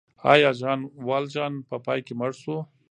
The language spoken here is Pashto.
آیا ژان والژان په پای کې مړ شو؟